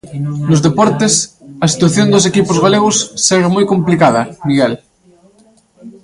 Nos deportes, a situación dos equipos galegos segue moi complicada, Miguel.